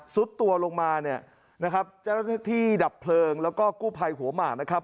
สุดตัวลงมาเนี่ยนะครับเจ้าหน้าที่ดับเพลิงแล้วก็กู้ภัยหัวหมากนะครับ